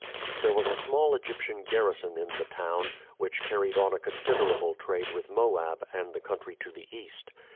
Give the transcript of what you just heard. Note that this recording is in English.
There was a small Egyptian garrison in the town, which carried on a considerable trade with Moab and the country to the east.